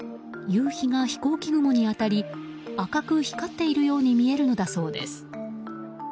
夕日が飛行機雲に当たり赤く光っているように見えるのだそうです。